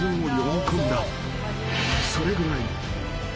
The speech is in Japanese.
［それぐらい］